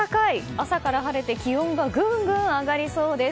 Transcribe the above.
朝から晴れて気温がぐんぐん上がりそうです。